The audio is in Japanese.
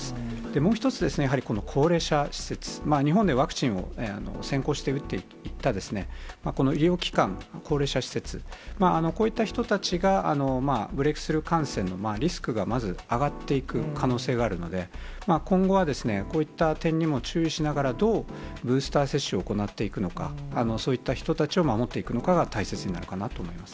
もう１つ、やはり高齢者施設、日本ではワクチンを先行して打っていったこの医療機関、高齢者施設、こういった人たちが、ブレークスルー感染のリスクがまず上がっていく可能性があるので、今後は、こういった点にも注意しながら、どうブースター接種を行っていくのか、そういった人たちを守っていくのかが大切になるかなと思います。